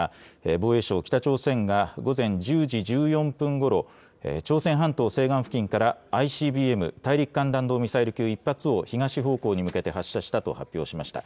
防衛省、北朝鮮が午前１０時１４分ごろ、朝鮮半島西岸付近からＩＣＢＭ・大陸間弾道ミサイル級１発を東方向に向けて発射したと発表しました。